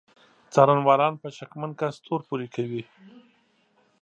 څارنوالان په شکمن کس تور پورې کوي.